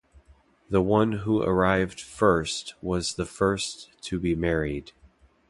The one who arrived first was the first to be married.